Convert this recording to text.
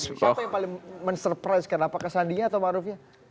siapa yang paling men surprise kan apakah sandinya atau marufnya